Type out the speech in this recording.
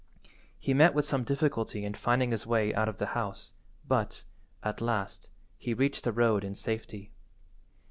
He met with some difficulty in finding his way out of the house, but, at last, he reached the road in safety.